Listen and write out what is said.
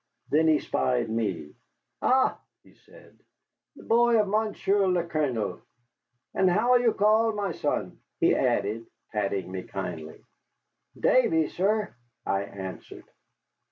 Then he spied me. "Ah," he said, "the boy of Monsieur le Colonel! And how are you called, my son?" he added, patting me kindly. "Davy, sir," I answered.